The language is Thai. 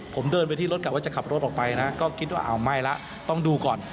ผมเดินไปที่รถกลับว่าจะขับรถออกไปนะก็คิดว่าอ้าวไม่ละต้องดูก่อน